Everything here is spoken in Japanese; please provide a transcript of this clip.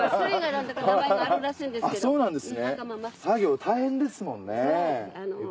作業大変ですもんね。